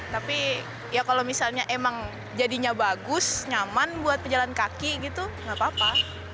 tapi kalau misalnya emang jadinya bagus nyaman buat penjalan kaki nggak apa apa